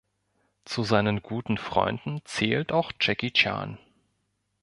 Zu seinen guten Freunden zählt auch Jackie Chan.